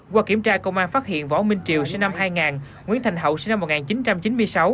qua kiểm tra công an phát hiện võ minh triều sinh năm hai nguyễn thành hậu sinh năm một nghìn chín trăm chín mươi sáu